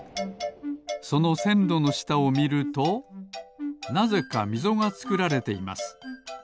そのせんろのしたをみるとなぜかみぞがつくられています。